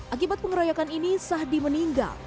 akibat pengeroyokan ini sahdi meninggal